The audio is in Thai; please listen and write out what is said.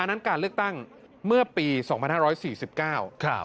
นั้นการเลือกตั้งเมื่อปีสองพันห้าร้อยสี่สิบเก้าครับ